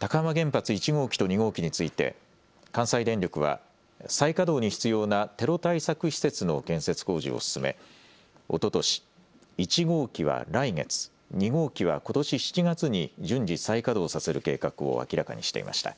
高浜原発１号機と２号機について関西電力は再稼働に必要なテロ対策施設の建設工事を進めおととし１号機は来月、２号機はことし７月に順次、再稼働させる計画を明らかにしていました。